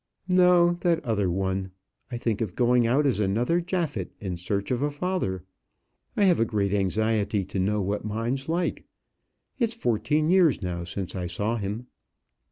"No, that other one: I think of going out as another Japhet in search of a father. I have a great anxiety to know what mine's like. It's fourteen years now since I saw him."